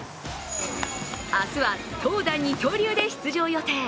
明日は投打二刀流で出場予定。